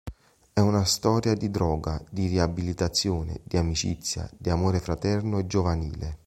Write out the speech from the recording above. È una storia di droga, di riabilitazione, di amicizia, di amore fraterno e giovanile.